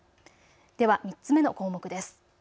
では３つ目の項目です。